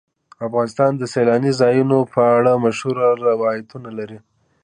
افغانستان د سیلاني ځایونو په اړه مشهور روایتونه لري.